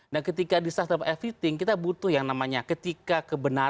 nah ketika distrust terhadap everything kita butuh yang namanya ketika kebenaran itu